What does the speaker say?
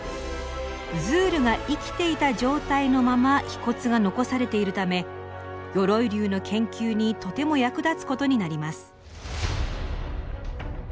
ズールが生きていた状態のまま皮骨が残されているため鎧竜の研究にとても役立つことになります。